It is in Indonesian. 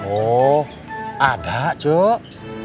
oh ada cuk